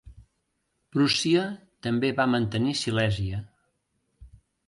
Prússia també va mantenir Silèsia.